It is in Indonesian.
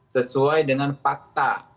sesuai dengan fakta